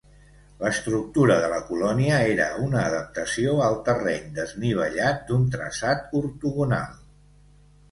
L'estructura de la colònia era una adaptació al terreny desnivellat d'un traçat ortogonal.